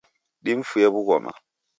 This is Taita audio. Dimfuye wughoma